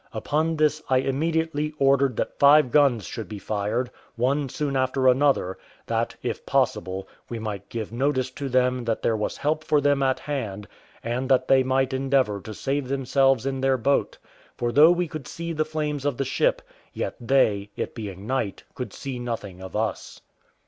Upon this I immediately ordered that five guns should be fired, one soon after another, that, if possible, we might give notice to them that there was help for them at hand and that they might endeavour to save themselves in their boat; for though we could see the flames of the ship, yet they, it being night, could see nothing of us.